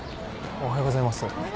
おはようございます。